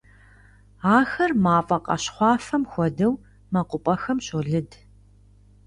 Ахэр мафӀэ къащхъуафэм хуэдэу мэкъупӀэхэм щолыд.